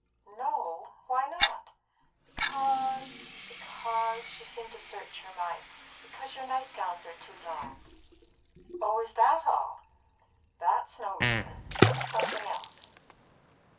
"No? Why not?" "Because because" she seemed to search her mind "because your night gowns are too long." "Oh, is that all? That's no reason. Think of something else."